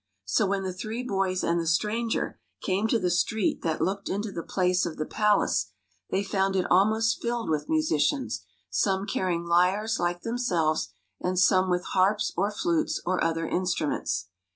So when the three boys and the stranger came to the street that looked into the place of the palace, they found it almost filled with musicians, some carrying lyres, like themselves, and some with harps or flutes or other instruments.